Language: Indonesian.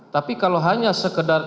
tapi kalau hanya sekedar